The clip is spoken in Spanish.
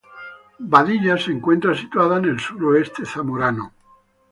Badilla se encuentra situada en el suroeste zamorano.